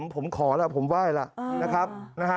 ผมขอแล้วผมไหว้แล้วนะครับ